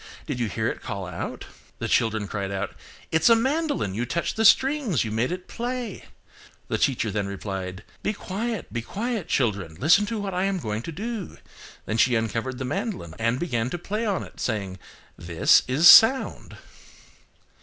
Did you hear it call out?" The children cried out–"It's a mandolin, you touched the strings, you made it play." The teacher then replied, "Be quiet, be quiet, children. Listen to what I am going to do." Then she uncovered the mandolin and began to play on it, saying, "This is sound."